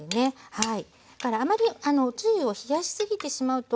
はい。